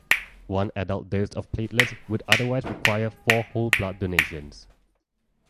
One adult dose of platelets would otherwise require four whole blood donations.